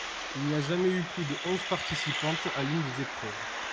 Il n'y a jamais eu plus de onze participantes à l'une des épreuves.